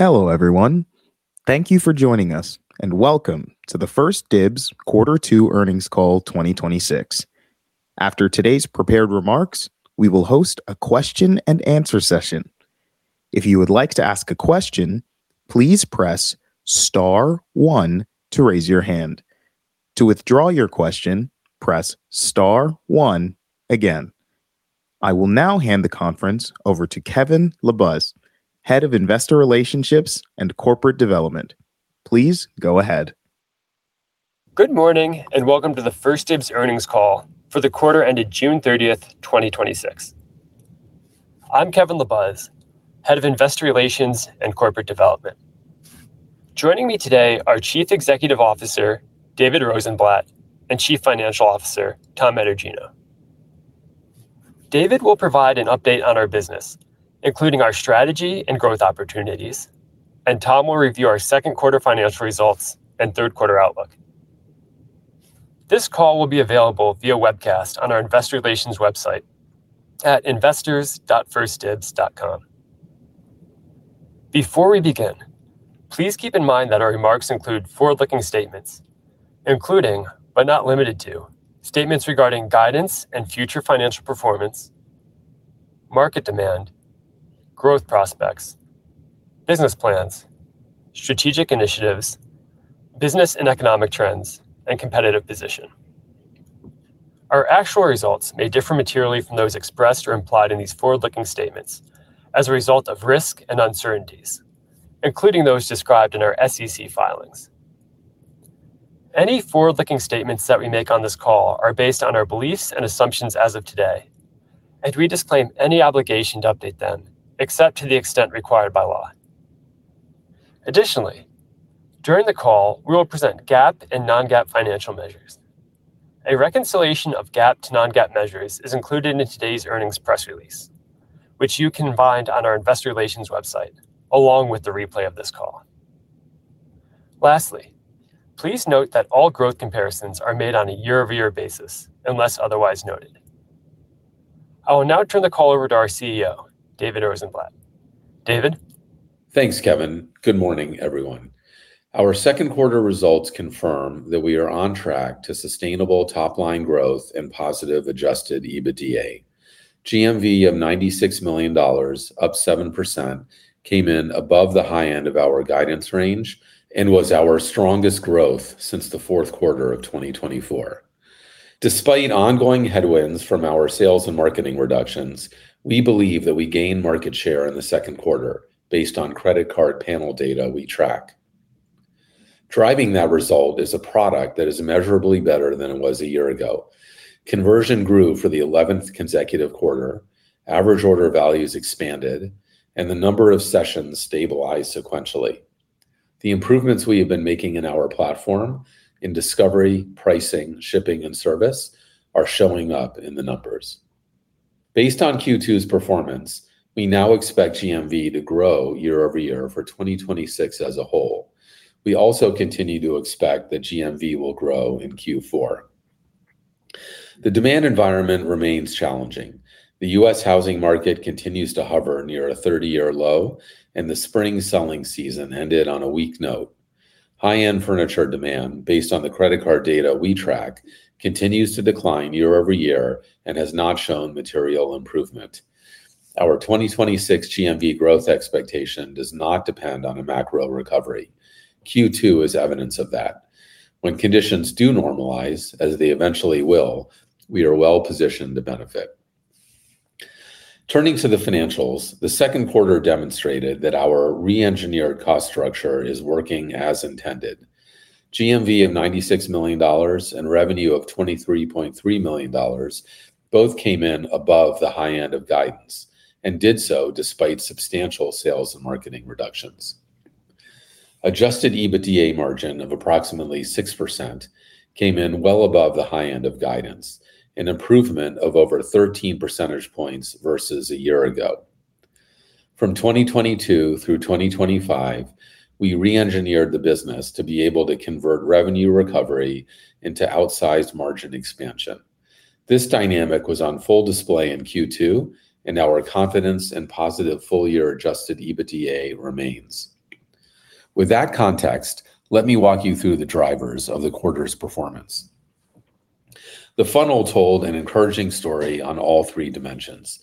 Hello, everyone. Thank you for joining us, and welcome to the 1stDibs quarter two earnings call 2026. After today's prepared remarks, we will host a question-and-answer session. If you would like to ask a question, please press star one to raise your hand. To withdraw your question, press star one again. I will now hand the conference over to Kevin LaBuz, Head of Investor Relations and Corporate Development. Please go ahead. Good morning, and welcome to the 1stDibs earnings call for the quarter ended June 30th, 2026. I'm Kevin LaBuz, Head of Investor Relations and Corporate Development. Joining me today are Chief Executive Officer, David Rosenblatt, and Chief Financial Officer, Tom Etergino. David will provide an update on our business, including our strategy and growth opportunities, and Tom will review our second quarter financial results and third quarter outlook. This call will be available via webcast on our investor relations website at investors.1stdibs.com. Before we begin, please keep in mind that our remarks include forward-looking statements, including, but not limited to, statements regarding guidance and future financial performance, market demand, growth prospects, business plans, strategic initiatives, business and economic trends, and competitive position. Our actual results may differ materially from those expressed or implied in these forward-looking statements as a result of risk and uncertainties, including those described in our SEC filings. Any forward-looking statements that we make on this call are based on our beliefs and assumptions as of today, and we disclaim any obligation to update them except to the extent required by law. Additionally, during the call, we will present GAAP and non-GAAP financial measures. A reconciliation of GAAP to non-GAAP measures is included in today's earnings press release, which you can find on our investor relations website, along with the replay of this call. Lastly, please note that all growth comparisons are made on a year-over-year basis unless otherwise noted. I will now turn the call over to our CEO, David Rosenblatt. David? Thanks, Kevin. Good morning, everyone. Our second quarter results confirm that we are on track to sustainable top-line growth and positive adjusted EBITDA. GMV of $96 million, up 7%, came in above the high end of our guidance range and was our strongest growth since the fourth quarter of 2024. Despite ongoing headwinds from our sales and marketing reductions, we believe that we gained market share in the second quarter based on credit card panel data we track. Driving that result is a product that is measurably better than it was a year ago. Conversion grew for the 11th consecutive quarter, average order values expanded, and the number of sessions stabilized sequentially. The improvements we have been making in our platform in discovery, pricing, shipping, and service are showing up in the numbers. Based on Q2's performance, we now expect GMV to grow year-over-year for 2026 as a whole. We also continue to expect that GMV will grow in Q4. The demand environment remains challenging. The U.S. housing market continues to hover near a 30-year low, and the spring selling season ended on a weak note. High-end furniture demand, based on the credit card data we track, continues to decline year-over-year and has not shown material improvement. Our 2026 GMV growth expectation does not depend on a macro recovery. Q2 is evidence of that. When conditions do normalize, as they eventually will, we are well positioned to benefit. Turning to the financials, the second quarter demonstrated that our re-engineered cost structure is working as intended. GMV of $96 million and revenue of $23.3 million both came in above the high end of guidance and did so despite substantial sales and marketing reductions. Adjusted EBITDA margin of approximately 6% came in well above the high end of guidance, an improvement of over 13 percentage points versus a year ago. From 2022 through 2025, we re-engineered the business to be able to convert revenue recovery into outsized margin expansion. This dynamic was on full display in Q2, and our confidence in positive full-year adjusted EBITDA remains. With that context, let me walk you through the drivers of the quarter's performance. The funnel told an encouraging story on all three dimensions.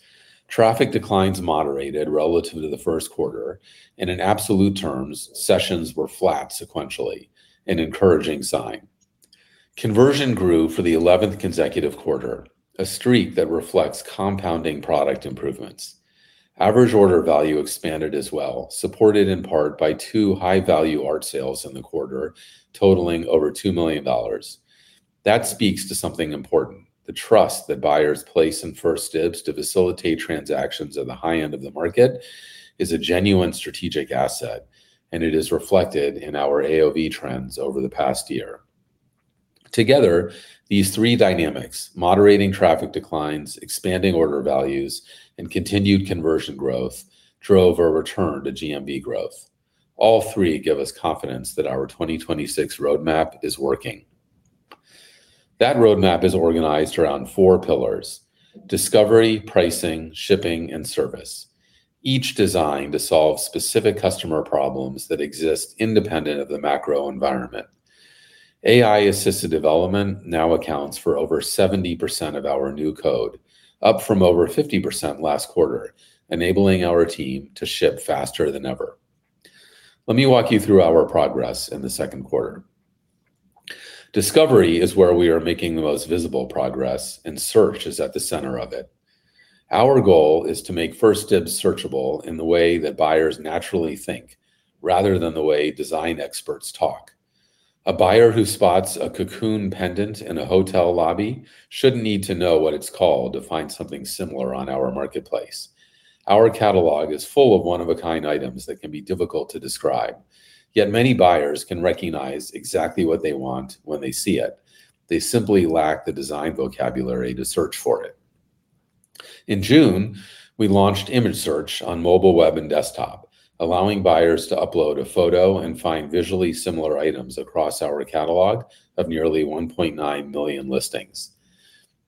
Traffic declines moderated relative to the first quarter, and in absolute terms, sessions were flat sequentially, an encouraging sign. Conversion grew for the 11th consecutive quarter, a streak that reflects compounding product improvements. Average order value expanded as well, supported in part by two high-value art sales in the quarter, totaling over $2 million. That speaks to something important. The trust that buyers place in 1stDibs to facilitate transactions at the high end of the market is a genuine strategic asset, and it is reflected in our AOV trends over the past year. Together, these three dynamics, moderating traffic declines, expanding order values, and continued conversion growth, drove a return to GMV growth. All three give us confidence that our 2026 roadmap is working. That roadmap is organized around four pillars: discovery, pricing, shipping, and service. Each designed to solve specific customer problems that exist independent of the macro environment. AI-assisted development now accounts for over 70% of our new code, up from over 50% last quarter, enabling our team to ship faster than ever. Let me walk you through our progress in the second quarter. Discovery is where we are making the most visible progress, and search is at the center of it. Our goal is to make 1stDibs searchable in the way that buyers naturally think, rather than the way design experts talk. A buyer who spots a cocoon pendant in a hotel lobby shouldn't need to know what it's called to find something similar on our marketplace. Our catalog is full of one-of-a-kind items that can be difficult to describe. Yet many buyers can recognize exactly what they want when they see it. They simply lack the design vocabulary to search for it. In June, we launched image search on mobile web and desktop, allowing buyers to upload a photo and find visually similar items across our catalog of nearly 1.9 million listings.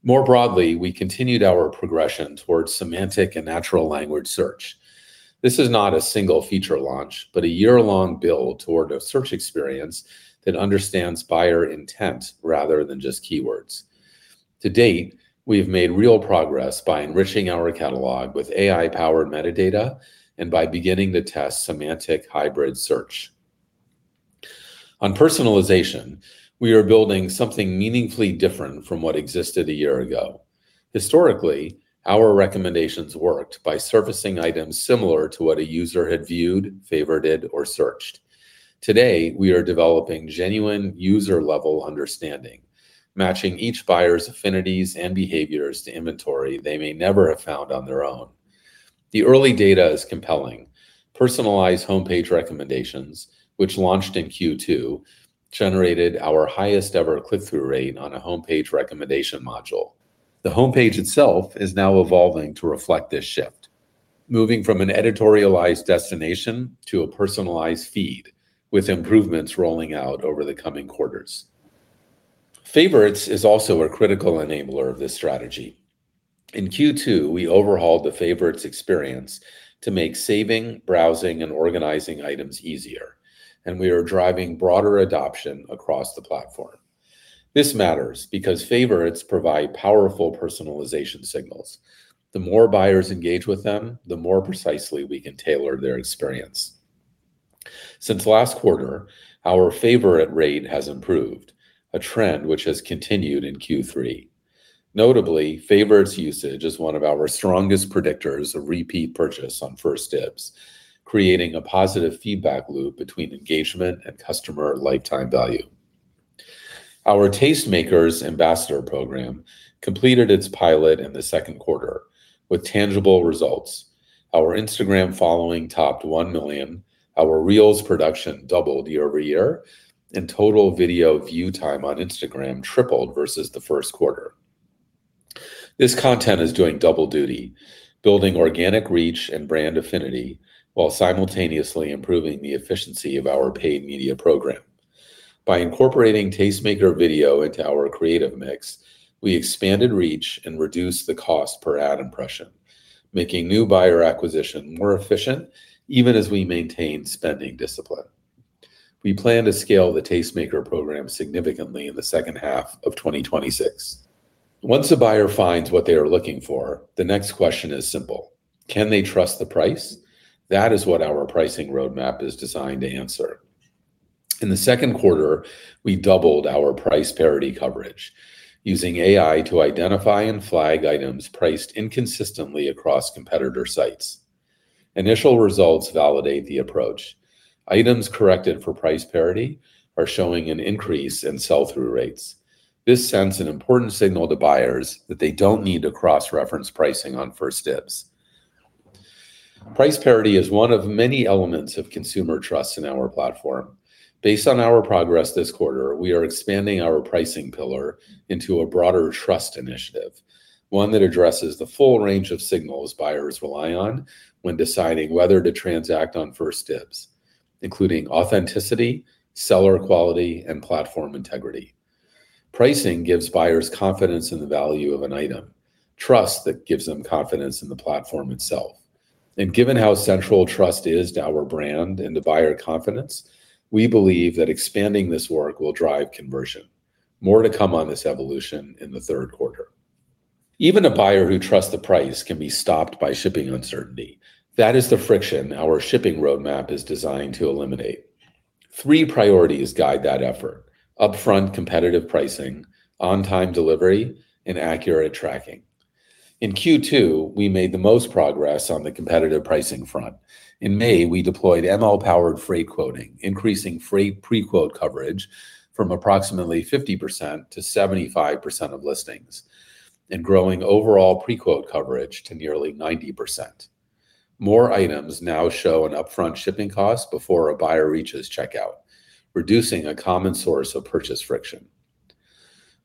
More broadly, we continued our progression towards semantic and natural language search. This is not a single feature launch, but a year-long build toward a search experience that understands buyer intent rather than just keywords. To date, we have made real progress by enriching our catalog with AI-powered metadata and by beginning to test semantic hybrid search. On personalization, we are building something meaningfully different from what existed a year ago. Historically, our recommendations worked by surfacing items similar to what a user had viewed, favorited, or searched. Today, we are developing genuine user-level understanding, matching each buyer's affinities and behaviors to inventory they may never have found on their own. The early data is compelling. Personalized homepage recommendations, which launched in Q2, generated our highest-ever click-through rate on a homepage recommendation module. The homepage itself is now evolving to reflect this shift, moving from an editorialized destination to a personalized feed, with improvements rolling out over the coming quarters. Favorites is also a critical enabler of this strategy. In Q2, we overhauled the favorites experience to make saving, browsing, and organizing items easier, and we are driving broader adoption across the platform. This matters because favorites provide powerful personalization signals. The more buyers engage with them, the more precisely we can tailor their experience. Since last quarter, our favorite rate has improved, a trend which has continued in Q3. Notably, favorites usage is one of our strongest predictors of repeat purchase on 1stDibs, creating a positive feedback loop between engagement and customer lifetime value. Our Tastemakers Ambassador program completed its pilot in the second quarter with tangible results. Our Instagram following topped 1 million, our Reels production doubled year-over-year, and total video view time on Instagram tripled versus the first quarter. This content is doing double duty, building organic reach and brand affinity while simultaneously improving the efficiency of our paid media program. By incorporating Tastemaker video into our creative mix, we expanded reach and reduced the cost per ad impression, making new buyer acquisition more efficient even as we maintain spending discipline. We plan to scale the Tastemaker program significantly in the second half of 2026. Once a buyer finds what they are looking for, the next question is simple: Can they trust the price? That is what our pricing roadmap is designed to answer. In the second quarter, we doubled our price parity coverage using AI to identify and flag items priced inconsistently across competitor sites. Initial results validate the approach. Items corrected for price parity are showing an increase in sell-through rates. This sends an important signal to buyers that they don't need to cross-reference pricing on 1stDibs. Price parity is one of many elements of consumer trust in our platform. Based on our progress this quarter, we are expanding our pricing pillar into a broader trust initiative, one that addresses the full range of signals buyers rely on when deciding whether to transact on 1stDibs, including authenticity, seller quality, and platform integrity. Pricing gives buyers confidence in the value of an item, trust that gives them confidence in the platform itself. Given how central trust is to our brand and to buyer confidence, we believe that expanding this work will drive conversion. More to come on this evolution in the third quarter. Even a buyer who trusts the price can be stopped by shipping uncertainty. That is the friction our shipping roadmap is designed to eliminate. Three priorities guide that effort: upfront competitive pricing, on-time delivery, and accurate tracking. In Q2, we made the most progress on the competitive pricing front. In May, we deployed ML-powered freight quoting, increasing freight pre-quote coverage from approximately 50%-75% of listings and growing overall pre-quote coverage to nearly 90%. More items now show an upfront shipping cost before a buyer reaches checkout, reducing a common source of purchase friction.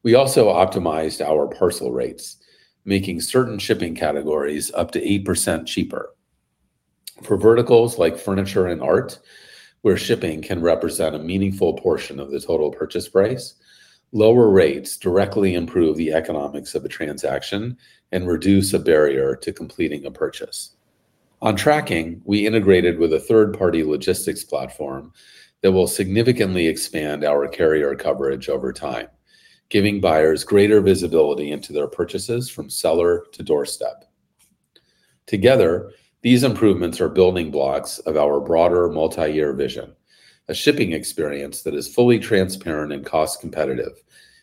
We also optimized our parcel rates, making certain shipping categories up to 8% cheaper. For verticals like furniture and art, where shipping can represent a meaningful portion of the total purchase price, lower rates directly improve the economics of a transaction and reduce a barrier to completing a purchase. On tracking, we integrated with a third-party logistics platform that will significantly expand our carrier coverage over time, giving buyers greater visibility into their purchases from seller to doorstep. Together, these improvements are building blocks of our broader multi-year vision, a shipping experience that is fully transparent and cost-competitive,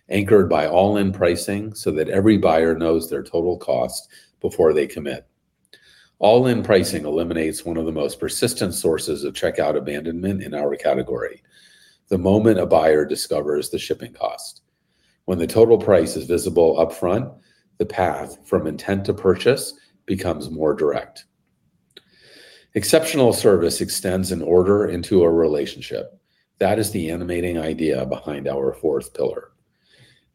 anchored by all-in pricing so that every buyer knows their total cost before they commit. All-in pricing eliminates one of the most persistent sources of checkout abandonment in our category, the moment a buyer discovers the shipping cost. When the total price is visible upfront, the path from intent to purchase becomes more direct. Exceptional service extends an order into a relationship. That is the animating idea behind our fourth pillar.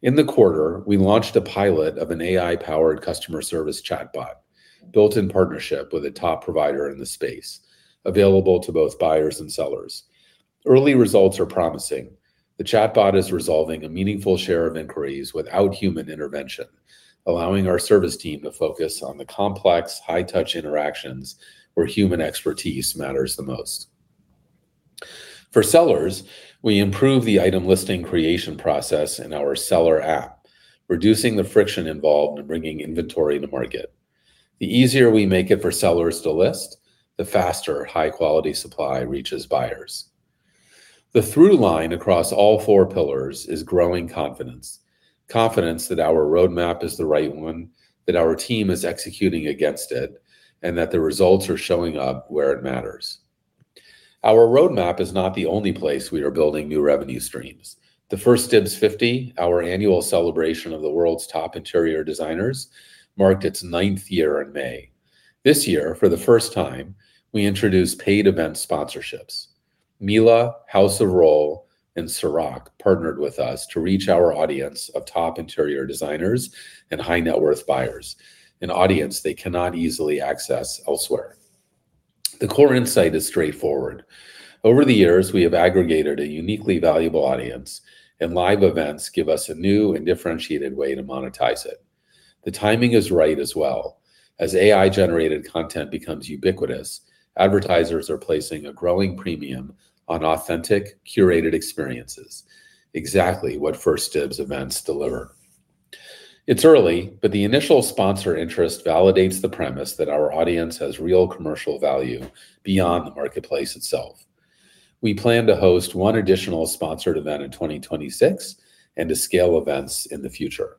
In the quarter, we launched a pilot of an AI-powered customer service chatbot built in partnership with a top provider in the space, available to both buyers and sellers. Early results are promising. The chatbot is resolving a meaningful share of inquiries without human intervention, allowing our service team to focus on the complex high-touch interactions where human expertise matters the most. For sellers, we improve the item listing creation process in our seller app, reducing the friction involved in bringing inventory to market. The easier we make it for sellers to list, the faster high-quality supply reaches buyers. The through line across all four pillars is growing confidence. Confidence that our roadmap is the right one, that our team is executing against it, and that the results are showing up where it matters. Our roadmap is not the only place we are building new revenue streams. The first 1stDibs 50, our annual celebration of the world's top interior designers, marked its ninth year in May. This year, for the first time, we introduced paid event sponsorships. Miele, House of Rohl, and Cîroc partnered with us to reach our audience of top interior designers and high-net-worth buyers, an audience they cannot easily access elsewhere. The core insight is straightforward. Over the years, we have aggregated a uniquely valuable audience, and live events give us a new and differentiated way to monetize it. The timing is right as well. As AI-generated content becomes ubiquitous, advertisers are placing a growing premium on authentic, curated experiences. Exactly what 1stDibs events deliver. It's early, the initial sponsor interest validates the premise that our audience has real commercial value beyond the marketplace itself. We plan to host one additional sponsored event in 2026 and to scale events in the future.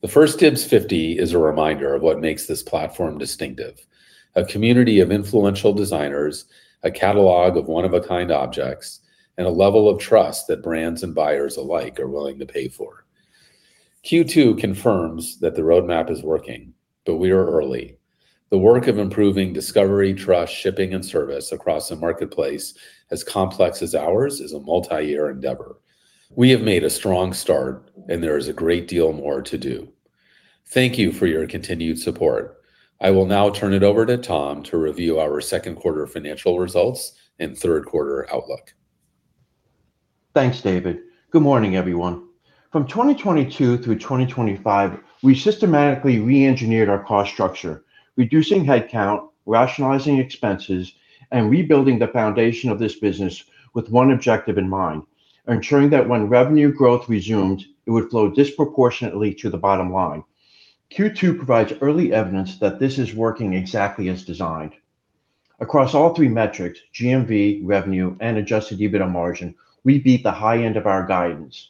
The 1stDibs 50 is a reminder of what makes this platform distinctive. A community of influential designers, a catalog of one-of-a-kind objects, and a level of trust that brands and buyers alike are willing to pay for. Q2 confirms that the roadmap is working, but we are early. The work of improving discovery, trust, shipping, and service across a marketplace as complex as ours is a multi-year endeavor. We have made a strong start, and there is a great deal more to do. Thank you for your continued support. I will now turn it over to Tom to review our second quarter financial results and third-quarter outlook. Thanks, David. Good morning, everyone. From 2022 through 2025, we systematically re-engineered our cost structure, reducing headcount, rationalizing expenses, and rebuilding the foundation of this business with one objective in mind, ensuring that when revenue growth resumed, it would flow disproportionately to the bottom line. Q2 provides early evidence that this is working exactly as designed. Across all three metrics, GMV, revenue, and adjusted EBITDA margin, we beat the high end of our guidance.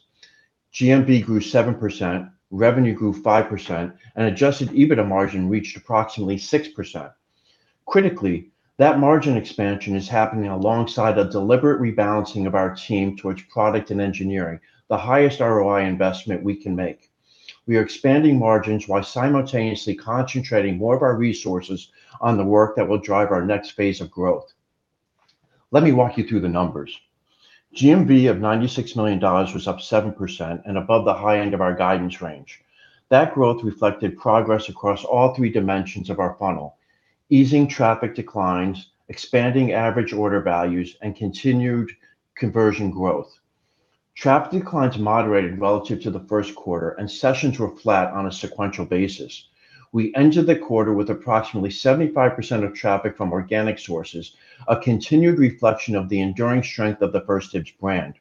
GMV grew 7%, revenue grew 5%, and adjusted EBITDA margin reached approximately 6%. Critically, that margin expansion is happening alongside a deliberate rebalancing of our team towards product and engineering, the highest ROI investment we can make. We are expanding margins while simultaneously concentrating more of our resources on the work that will drive our next phase of growth. Let me walk you through the numbers. GMV of $96 million was up 7% and above the high end of our guidance range. That growth reflected progress across all three dimensions of our funnel, easing traffic declines, expanding average order values, and continued conversion growth. Traffic declines moderated relative to the first quarter, and sessions were flat on a sequential basis. We ended the quarter with approximately 75% of traffic from organic sources, a continued reflection of the enduring strength of the 1stDibs brand.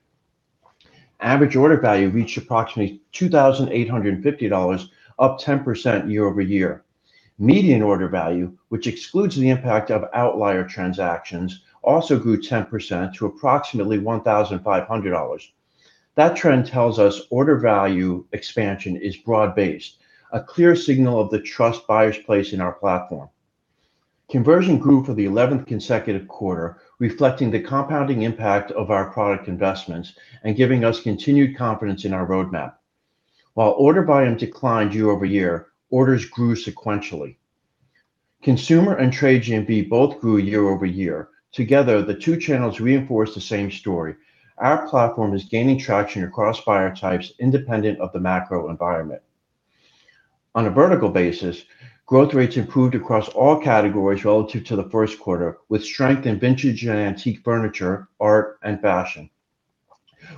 Average order value reached approximately $2,850, up 10% year-over-year. Median order value, which excludes the impact of outlier transactions, also grew 10% to approximately $1,500. That trend tells us order value expansion is broad-based, a clear signal of the trust buyers place in our platform. Conversion grew for the 11th consecutive quarter, reflecting the compounding impact of our product investments and giving us continued confidence in our roadmap. While order volume declined year-over-year, orders grew sequentially. Consumer and trade GMV both grew year-over-year. Together, the two channels reinforce the same story. Our platform is gaining traction across buyer types independent of the macro environment. On a vertical basis, growth rates improved across all categories relative to the first quarter, with strength in vintage and antique furniture, art, and fashion.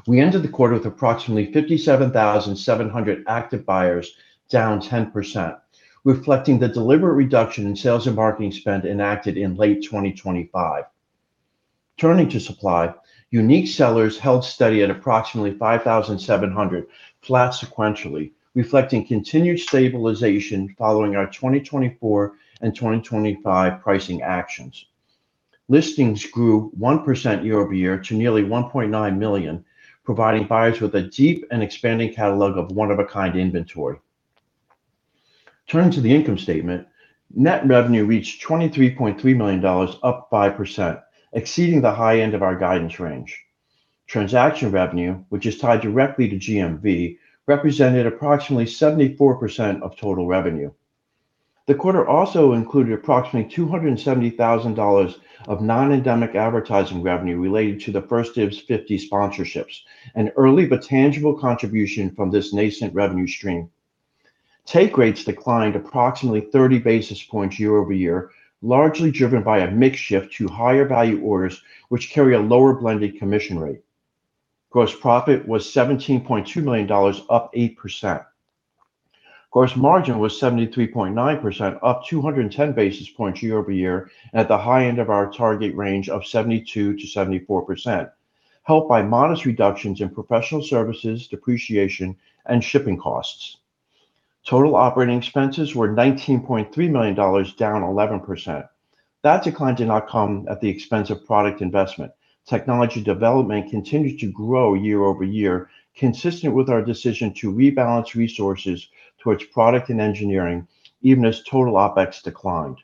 We ended the quarter with approximately 57,700 active buyers, down 10%, reflecting the deliberate reduction in sales and marketing spend enacted in late 2025. Turning to supply, unique sellers held steady at approximately 5,700, flat sequentially, reflecting continued stabilization following our 2024 and 2025 pricing actions. Listings grew 1% year-over-year to nearly 1.9 million, providing buyers with a deep and expanding catalog of one-of-a-kind inventory. Turning to the income statement, net revenue reached $23.3 million, up 5%, exceeding the high end of our guidance range. Transaction revenue, which is tied directly to GMV, represented approximately 74% of total revenue. The quarter also included approximately $270,000 of non-endemic advertising revenue related to the 1stDibs 50 sponsorships, an early but tangible contribution from this nascent revenue stream. Take rates declined approximately 30 basis points year-over-year, largely driven by a mix shift to higher value orders, which carry a lower blended commission rate. Gross profit was $17.2 million, up 8%. Gross margin was 73.9%, up 210 basis points year-over-year, and at the high end of our target range of 72%-74%, helped by modest reductions in professional services, depreciation, and shipping costs. Total operating expenses were $19.3 million, down 11%. That decline did not come at the expense of product investment. Technology development continued to grow year-over-year, consistent with our decision to rebalance resources towards product and engineering, even as total OpEx declined.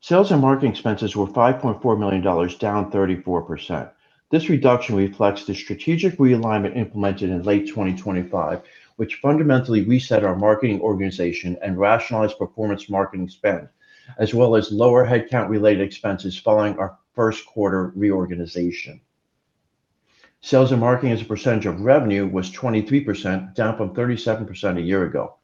Sales and marketing expenses were $5.4 million, down 34%. This reduction reflects the strategic realignment implemented in late 2025, which fundamentally reset our marketing organization and rationalized performance marketing spend, as well as lower headcount-related expenses following our first quarter reorganization. Sales and marketing as a percentage of revenue was 23%, down from 37% a year ago.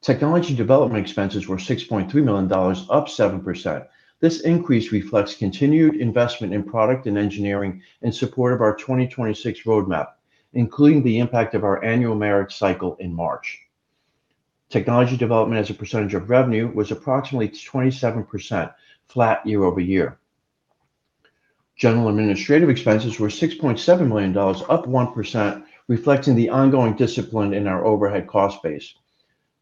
Technology development expenses were $6.3 million, up 7%. This increase reflects continued investment in product and engineering in support of our 2026 roadmap, including the impact of our annual merit cycle in March. Technology development as a percentage of revenue was approximately 27%, flat year-over-year. General administrative expenses were $6.7 million, up 1%, reflecting the ongoing discipline in our overhead cost base.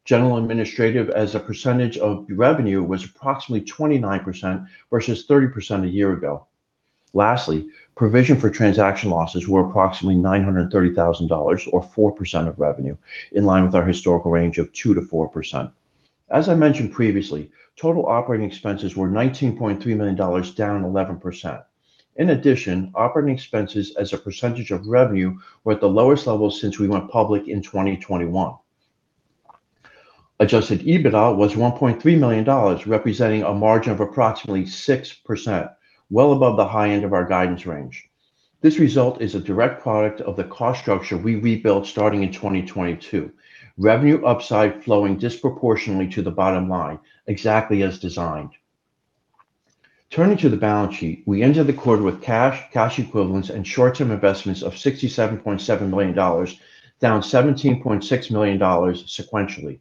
General administrative as a percentage of revenue was approximately 29%, versus 30% a year ago. Lastly, provision for transaction losses were approximately $930,000, or 4% of revenue, in line with our historical range of 2%-4%. As I mentioned previously, total operating expenses were $19.3 million, down 11%. In addition, operating expenses as a percentage of revenue were at the lowest level since we went public in 2021. Adjusted EBITDA was $1.3 million, representing a margin of approximately 6%, well above the high end of our guidance range. This result is a direct product of the cost structure we rebuilt starting in 2022. Revenue upside flowing disproportionately to the bottom line, exactly as designed. Turning to the balance sheet, we ended the quarter with cash equivalents, and short-term investments of $67.7 million, down $17.6 million sequentially.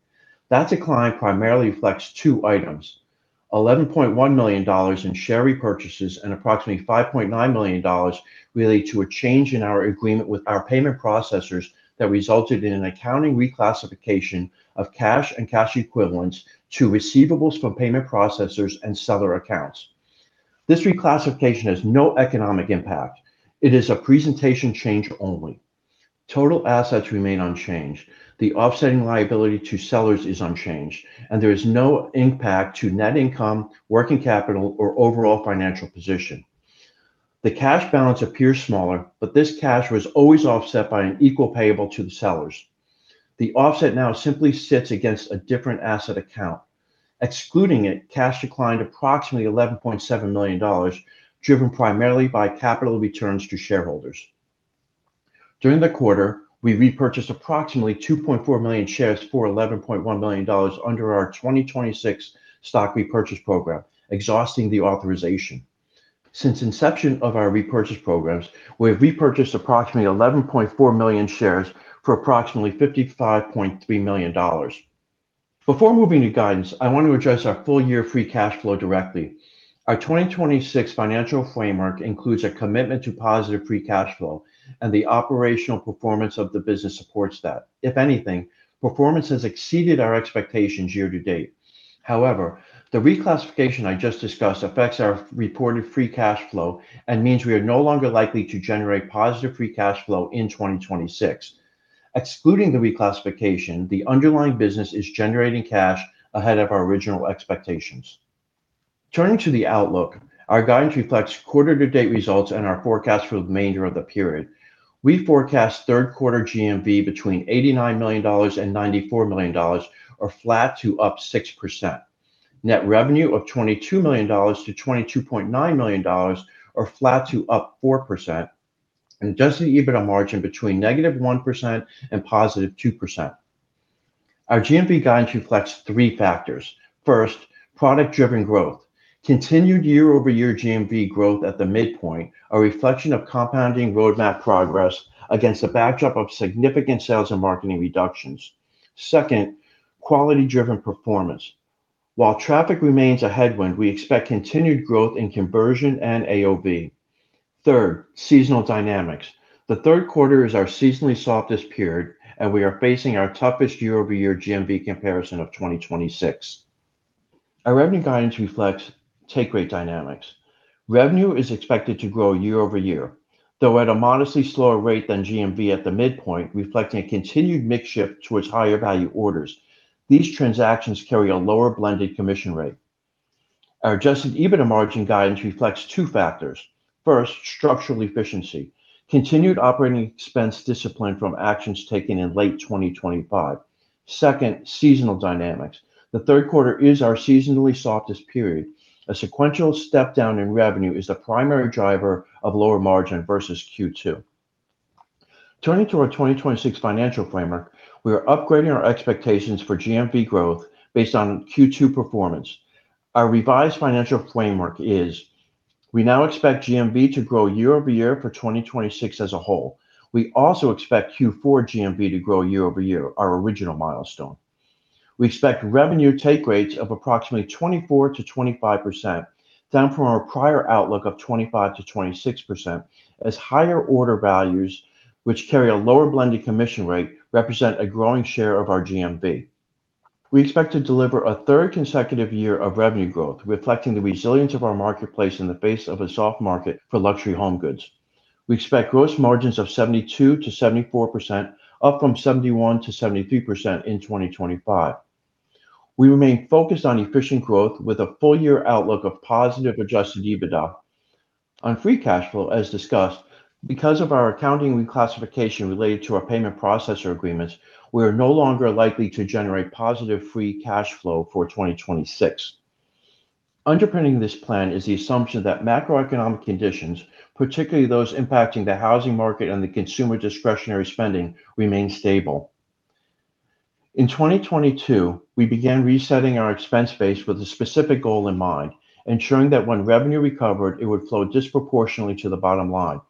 That decline primarily reflects two items. $11.1 million in share repurchases and approximately $5.9 million related to a change in our agreement with our payment processors that resulted in an accounting reclassification of cash and cash equivalents to receivables from payment processors and seller accounts. This reclassification has no economic impact. It is a presentation change only. Total assets remain unchanged. The offsetting liability to sellers is unchanged, and there is no impact to net income, working capital, or overall financial position. The cash balance appears smaller, but this cash was always offset by an equal payable to the sellers. The offset now simply sits against a different asset account. Excluding it, cash declined approximately $11.7 million, driven primarily by capital returns to shareholders. During the quarter, we repurchased approximately 2.4 million shares for $11.1 million under our 2026 stock repurchase program, exhausting the authorization. Since inception of our repurchase programs, we have repurchased approximately 11.4 million shares for approximately $55.3 million. Before moving to guidance, I want to address our full-year free cash flow directly. Our 2026 financial framework includes a commitment to positive free cash flow, and the operational performance of the business supports that. If anything, performance has exceeded our expectations year-to-date. However, the reclassification I just discussed affects our reported free cash flow and means we are no longer likely to generate positive free cash flow in 2026. Excluding the reclassification, the underlying business is generating cash ahead of our original expectations. Turning to the outlook, our guidance reflects quarter to date results and our forecast for the remainder of the period. We forecast third quarter GMV between $89 million and $94 million, or flat to up 6%. Net revenue of $22 million-$22.9 million, or flat to up 4%. Adjusted EBITDA margin between -1% and +2%. Our GMV guidance reflects three factors. First, product-driven growth. Continued year-over-year GMV growth at the midpoint, a reflection of compounding roadmap progress against the backdrop of significant sales and marketing reductions. Second, quality-driven performance. While traffic remains a headwind, we expect continued growth in conversion and AOV. Third, seasonal dynamics. The third quarter is our seasonally softest period, and we are facing our toughest year-over-year GMV comparison of 2026. Our revenue guidance reflects take rate dynamics. Revenue is expected to grow year-over-year, though at a modestly slower rate than GMV at the midpoint, reflecting a continued mix shift towards higher value orders. These transactions carry a lower blended commission rate. Our adjusted EBITDA margin guidance reflects two factors. First, structural efficiency. Continued operating expense discipline from actions taken in late 2025. Second, seasonal dynamics. The third quarter is our seasonally softest period. A sequential step down in revenue is the primary driver of lower margin versus Q2. Turning to our 2026 financial framework, we are upgrading our expectations for GMV growth based on Q2 performance. Our revised financial framework is, we now expect GMV to grow year-over-year for 2026 as a whole. We also expect Q4 GMV to grow year-over-year, our original milestone. We expect revenue take rates of approximately 24%-25%, down from our prior outlook of 25%-26%, as higher order values, which carry a lower blended commission rate, represent a growing share of our GMV. We expect to deliver a third consecutive year of revenue growth, reflecting the resilience of our marketplace in the face of a soft market for luxury home goods. We expect gross margins of 72%-74%, up from 71%-73% in 2025. We remain focused on efficient growth with a full-year outlook of positive adjusted EBITDA. On free cash flow, as discussed, because of our accounting reclassification related to our payment processor agreements, we are no longer likely to generate positive free cash flow for 2026. Underpinning this plan is the assumption that macroeconomic conditions, particularly those impacting the housing market and the consumer discretionary spending, remain stable. In 2022, we began resetting our expense base with a specific goal in mind, ensuring that when revenue recovered, it would flow disproportionately to the bottom line.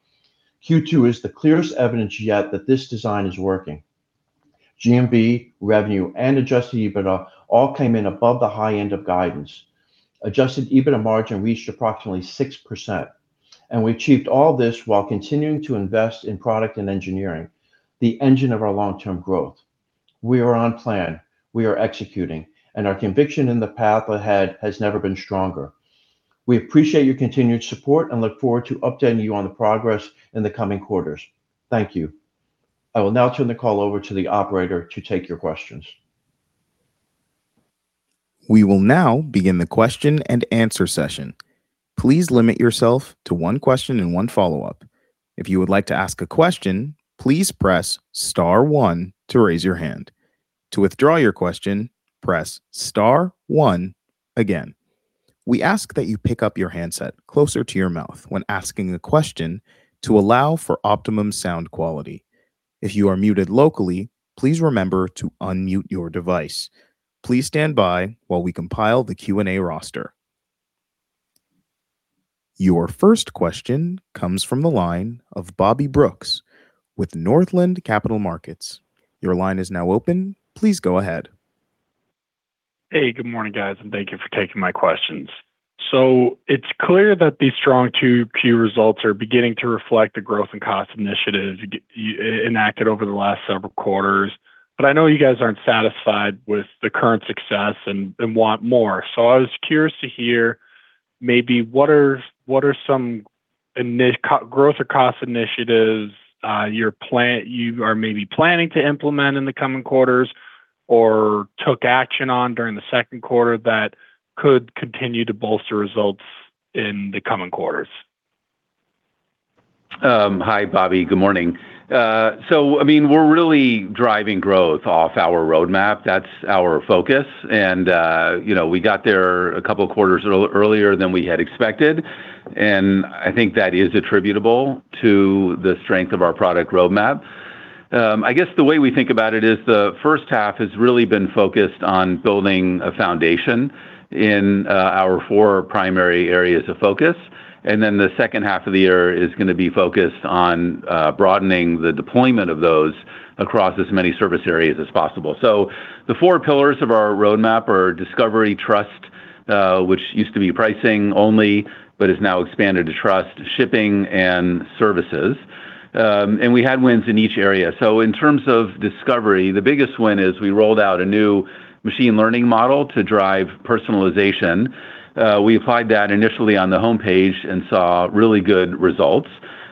Q2 is the clearest evidence yet that this design is working. GMV, revenue, and adjusted EBITDA all came in above the high end of guidance. Adjusted EBITDA margin reached approximately 6%, and we achieved all this while continuing to invest in product and engineering, the engine of our long-term growth. We are on plan, we are executing, and our conviction in the path ahead has never been stronger. We appreciate your continued support and look forward to updating you on the progress in the coming quarters. Thank you. I will now turn the call over to the operator to take your questions. We will now begin the question-and-answer session. Please limit yourself to one question and one follow-up. If you would like to ask a question, please press star one to raise your hand. To withdraw your question, press star one again. We ask that you pick up your handset closer to your mouth when asking a question to allow for optimum sound quality. If you are muted locally, please remember to unmute your device. Please stand by while we compile the Q&A roster. Your first question comes from the line of Bobby Brooks with Northland Capital Markets. Your line is now open. Please go ahead. Hey. Good morning, guys, thank you for taking my questions. It's clear that these strong 2Q results are beginning to reflect the growth in cost initiatives enacted over the last several quarters. I know you guys aren't satisfied with the current success and want more. I was curious to hear maybe what are some growth or cost initiatives you are maybe planning to implement in the coming quarters or took action on during the second quarter that could continue to bolster results in the coming quarters? Hi, Bobby. Good morning. We're really driving growth off our roadmap. That's our focus. We got there a couple of quarters earlier than we had expected, I think that is attributable to the strength of our product roadmap. I guess the way we think about it is the first half has really been focused on building a foundation in our four primary areas of focus, then the second half of the year is going to be focused on broadening the deployment of those across as many service areas as possible. The four pillars of our roadmap are discovery, trust, which used to be pricing only, but is now expanded to trust, shipping, and services. We had wins in each area. In terms of discovery, the biggest win is we rolled out a new machine learning model to drive personalization. We applied that initially on the homepage and saw really good results.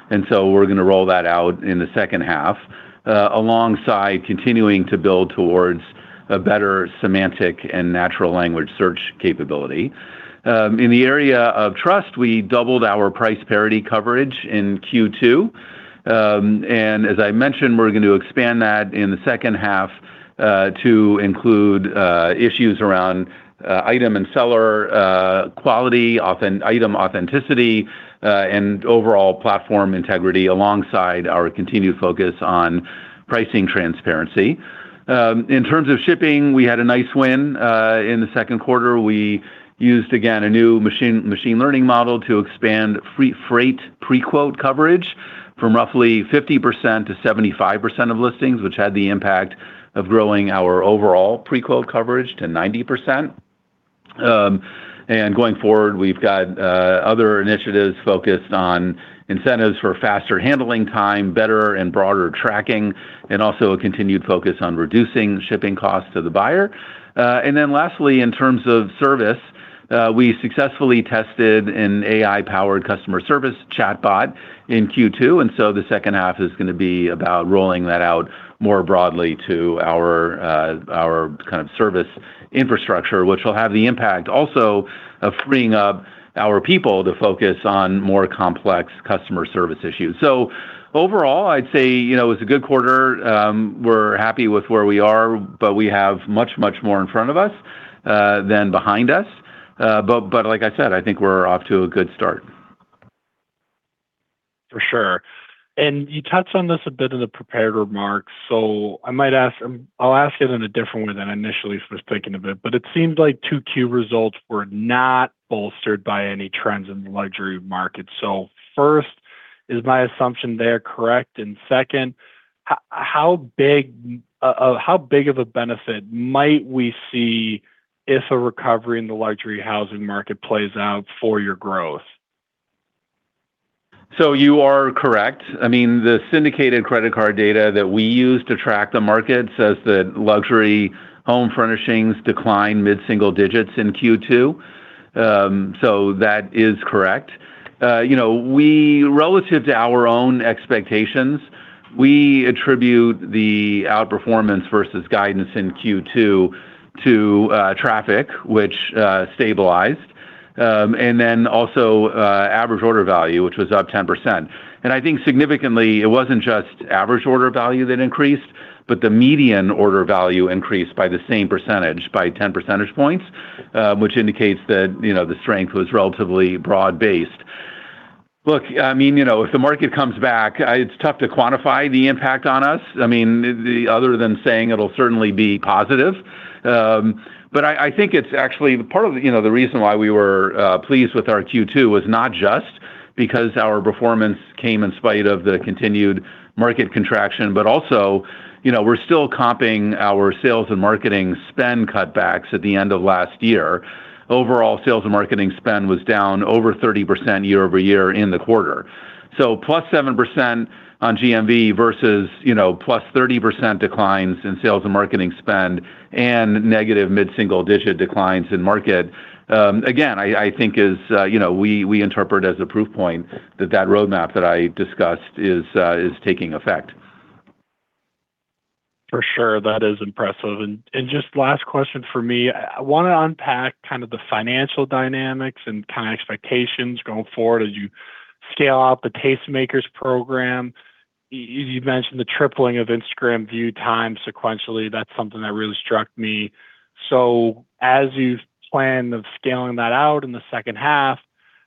We're going to roll that out in the second half, alongside continuing to build towards a better semantic and natural language search capability. In the area of trust, we doubled our price parity coverage in Q2. As I mentioned, we're going to expand that in the second half to include issues around item and seller quality, item authenticity, and overall platform integrity alongside our continued focus on pricing transparency. In terms of shipping, we had a nice win in the second quarter. We used, again, a new machine learning model to expand free freight pre-quote coverage from roughly 50%-75% of listings, which had the impact of growing our overall pre-quote coverage to 90%. Going forward, we've got other initiatives focused on incentives for faster handling time, better and broader tracking, and also a continued focus on reducing shipping costs to the buyer. Lastly, in terms of service, we successfully tested an AI-powered customer service chatbot in Q2. The second half is going to be about rolling that out more broadly to our kind of service infrastructure, which will have the impact also of freeing up our people to focus on more complex customer service issues. Overall, I'd say, it was a good quarter. We're happy with where we are, we have much, much more in front of us, than behind us. Like I said, I think we're off to a good start. For sure. You touched on this a bit in the prepared remarks, I'll ask it in a different way than I initially was thinking of it. It seems like 2Q results were not bolstered by any trends in the luxury market. First, is my assumption there correct? Second, how big of a benefit might we see if a recovery in the luxury housing market plays out for your growth? You are correct. The syndicated credit card data that we use to track the market says that luxury home furnishings declined mid-single digits in Q2. That is correct. Relative to our own expectations, we attribute the outperformance versus guidance in Q2 to traffic, which stabilized, and also average order value, which was up 10%. I think significantly, it was not just average order value that increased, but the median order value increased by the same percentage, by 10 percentage points, which indicates that the strength was relatively broad-based. Look, if the market comes back, it's tough to quantify the impact on us. Other than saying it'll certainly be positive. I think it's actually part of the reason why we were pleased with our Q2 was not just because our performance came in spite of the continued market contraction, but also we're still comping our sales and marketing spend cutbacks at the end of last year. Overall, sales and marketing spend was down over 30% year-over-year in the quarter. +7% on GMV versus +30% declines in sales and marketing spend and negative mid-single digit declines in market. Again, I think we interpret as a proof point that road map that I discussed is taking effect. For sure. That is impressive. Just last question from me. I want to unpack kind of the financial dynamics and kind of expectations going forward as you scale out the Tastemakers program. You mentioned the tripling of Instagram view time sequentially. That's something that really struck me. As you plan of scaling that out in the second half,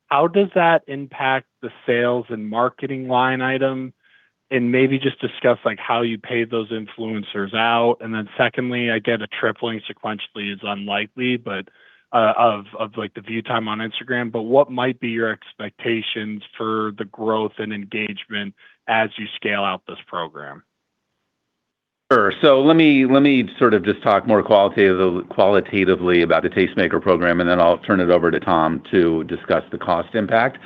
how does that impact the sales and marketing line item? Maybe just discuss how you pay those influencers out. Secondly, I get a tripling sequentially is unlikely, but of the view time on Instagram. What might be your expectations for the growth and engagement as you scale out this program? Sure. Let me sort of just talk more qualitatively about the Tastemakers program, and then I'll turn it over to Tom to discuss the cost impact.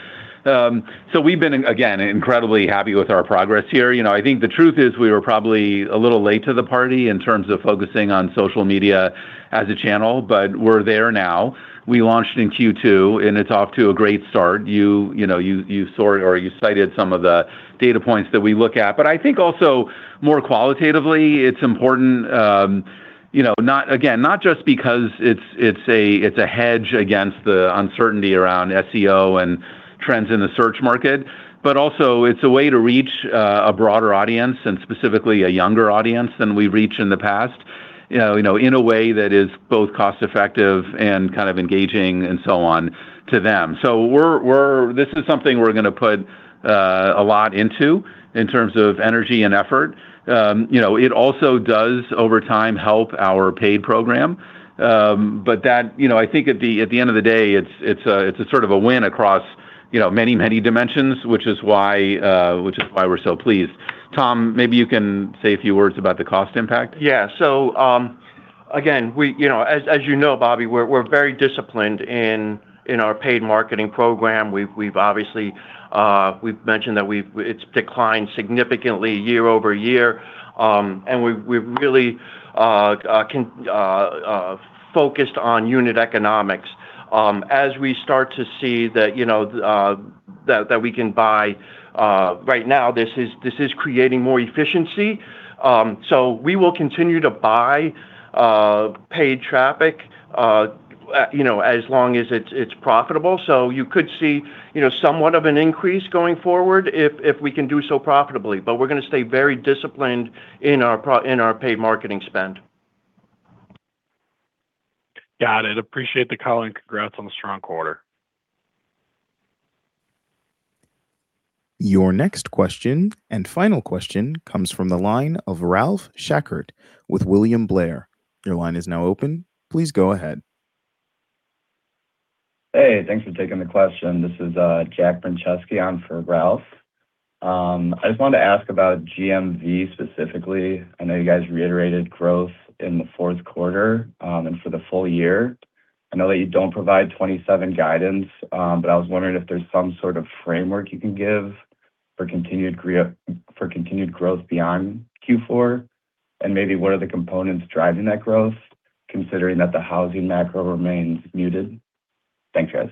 We've been, again, incredibly happy with our progress here. I think the truth is we were probably a little late to the party in terms of focusing on social media as a channel, but we're there now. We launched in Q2, and it's off to a great start. You cited some of the data points that we look at. I think also more qualitatively, it's important, again, not just because it's a hedge against the uncertainty around SEO and trends in the search market, but also it's a way to reach a broader audience and specifically a younger audience than we reached in the past, in a way that is both cost-effective and kind of engaging and so on to them. This is something we're going to put a lot into in terms of energy and effort. It also does, over time, help our paid program. I think at the end of the day, it's a sort of a win across many, many dimensions, which is why we're so pleased. Tom, maybe you can say a few words about the cost impact. Again, as you know, Bobby, we're very disciplined in our paid marketing program. We've mentioned that it's declined significantly year-over-year. We've really focused on unit economics. As we start to see that we can buy right now, this is creating more efficiency. We will continue to buy paid traffic As long as it's profitable. You could see somewhat of an increase going forward if we can do so profitably. We're going to stay very disciplined in our paid marketing spend. Got it. Appreciate the call and congrats on the strong quarter. Your next question, and final question, comes from the line of Ralph Schackart with William Blair. Your line is now open. Please go ahead. Hey, thanks for taking the question. This is Jack Brenczewski on for Ralph. I just wanted to ask about GMV specifically. I know you guys reiterated growth in the fourth quarter and for the full-year. I know that you don't provide 2027 guidance. I was wondering if there's some sort of framework you can give for continued growth beyond Q4. Maybe what are the components driving that growth considering that the housing macro remains muted? Thanks, guys.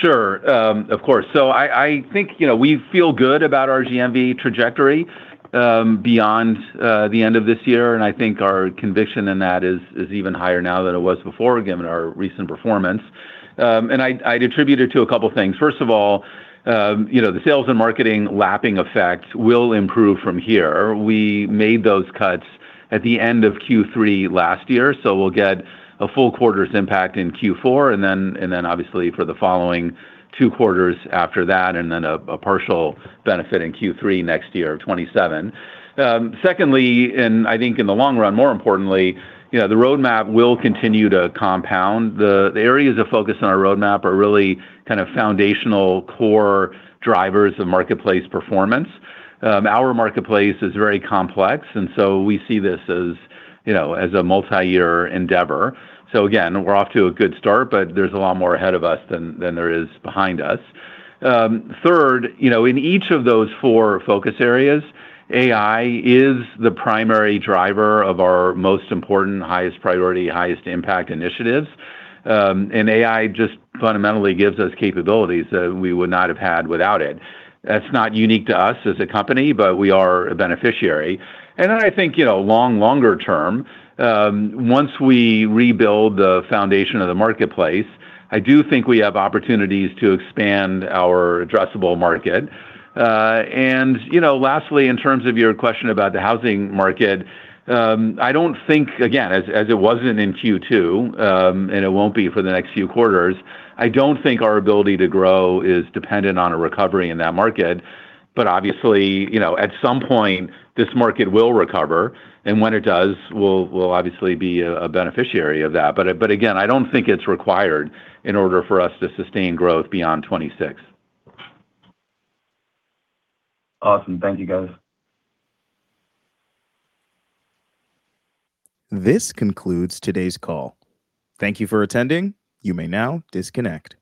Sure. Of course. I think we feel good about our GMV trajectory beyond the end of this year. I think our conviction in that is even higher now than it was before, given our recent performance. I'd attribute it to a couple of things. First of all, the sales and marketing lapping effect will improve from here. We made those cuts at the end of Q3 last year, so we'll get a full quarter's impact in Q4, then obviously for the following two quarters after that, then a partial benefit in Q3 next year of 2027. Secondly. I think in the long run, more importantly, the roadmap will continue to compound. The areas of focus on our roadmap are really foundational core drivers of marketplace performance. Our marketplace is very complex. We see this as a multi-year endeavor. Again, we're off to a good start. There's a lot more ahead of us than there is behind us. Third, in each of those four focus areas, AI is the primary driver of our most important, highest priority, highest impact initiatives. AI just fundamentally gives us capabilities that we would not have had without it. That's not unique to us as a company. We are a beneficiary. I think longer term, once we rebuild the foundation of the marketplace, I do think we have opportunities to expand our addressable market. Lastly, in terms of your question about the housing market, I don't think, again, as it wasn't in Q2, and it won't be for the next few quarters, I don't think our ability to grow is dependent on a recovery in that market. Obviously, at some point this market will recover, and when it does, we'll obviously be a beneficiary of that. Again, I don't think it's required in order for us to sustain growth beyond 2026. Awesome. Thank you, guys. This concludes today's call. Thank you for attending. You may now disconnect.